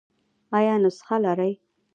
ایا نسخه لرئ؟